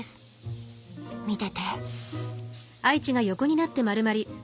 見てて。